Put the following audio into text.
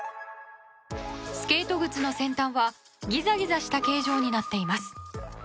スケート靴の先端はギザギザした形状になっています。